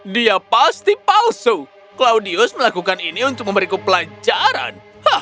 dia pasti palsu claudius melakukan ini untuk memberiku pelajaran